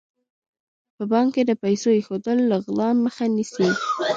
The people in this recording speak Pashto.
په بانک کې د پیسو ایښودل له غلا مخه نیسي.